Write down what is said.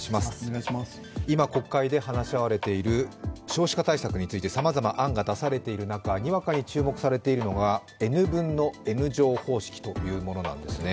今国会で話し合われている少子化対策について、さまざまな案が出されている中、にわかに注目されているのがＮ分Ｎ乗方式というものなんですね。